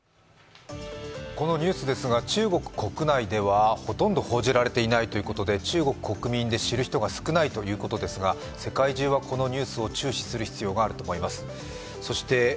このニュースですが中国国内ではほとんど報じられていないということで、中国国民で知る人が少ないということですが世界中はこのニュースを注視する必要があると思います。